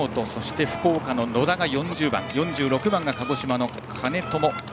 福岡の野田が４０番４６番が鹿児島の兼友。